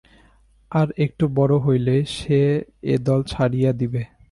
আর একটু বড় হইলে সে এ-দল ছাড়িয়া দিবে।